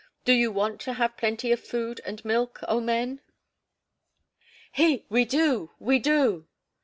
Do you want to have plenty of food and milk oh, men?" "He! We do, we do!"